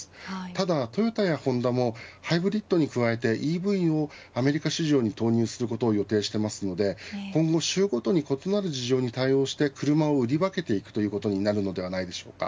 ただ、トヨタやホンダもハイブリッドに加えてＥＶをアメリカ市場に投入することを予定しているので今後、州ごとに異なる事情に対応して車を振り分けていくことになると思います。